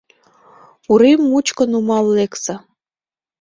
Урем мучко нумал лекса.